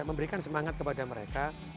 memberikan semangat kepada mereka